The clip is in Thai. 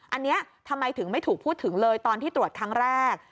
อันนี้ทำไมถึงไม่ถูกพูดถึงเลยตอนที่ตรวจครั้งแรก